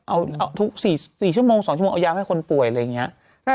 เอาทุก๔ชั่วโมง๒ชั่วโมงเอายามให้คนป่วยอะไรอย่างนี้